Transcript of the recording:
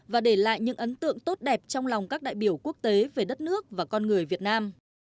và để lại những ấn tượng tốt đẹp trong lòng các đại biểu quốc tế về đất nước và con người việt nam